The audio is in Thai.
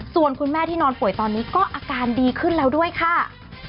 ส่วนคุณแม่ที่นอนป่วยตอนนี้ก็อาการดีขึ้นแล้วด้วยค่ะ